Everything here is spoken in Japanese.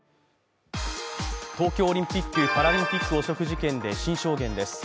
東京オリンピック・パラリンピック汚職事件で新証言です。